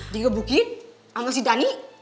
dikebukin sama si dhani